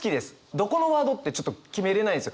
どこのワードってちょっと決めれないんですよ。